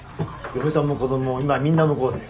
嫁さんも子どもも今みんな向こうで。